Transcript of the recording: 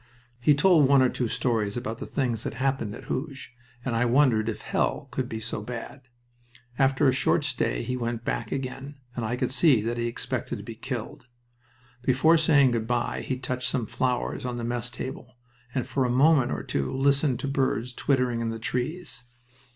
He told one or two stories about the things that happened at Hooge, and I wondered if hell could be so bad. After a short stay he went back again, and I could see that he expected to be killed. Before saying good by he touched some flowers on the mess table, and for a moment or two listened to birds twittering in the trees.